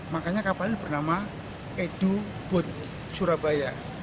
makanya kapal ini bernama edu boat surabaya